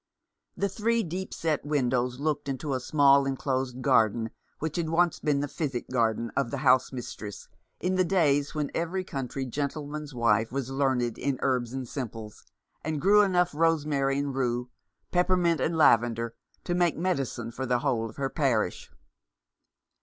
The three deep set windows looked into a small enclosed garden, which had once been the " physic garden " of the house mistress, in the days when every country gentleman's wife was learned in herbs and simples, and grew enough rosemary and rue, peppermint and lavender, to make medicine for the whole of her parish.